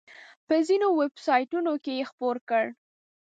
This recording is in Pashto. په ځینو ویب سایټونو کې یې خپور کړ.